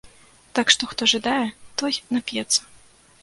Так што хто жадае, той нап'ецца.